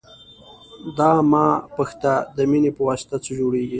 دا مه پوښته د مینې پواسطه څه جوړېږي.